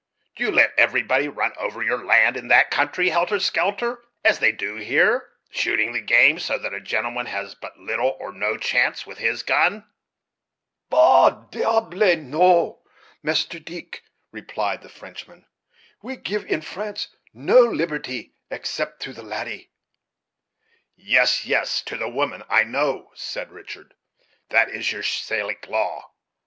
Do you let everybody run over your land in that country helter skelter, as they do here, shooting the game, so that a gentleman has but little or no chance with his gun?" "Bah! diable, no, Meester Deeck," replied the Frenchman; "we give, in France, no liberty except to the ladi." "Yes, yes, to the women, I know," said Richard, "that is your Salic law.